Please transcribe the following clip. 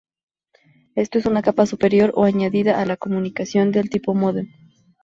Esto es una capa superior o añadida a la comunicación de tipo módem.